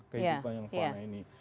kehidupan yang fana ini